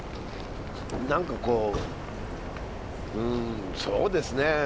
何かこううんそうですね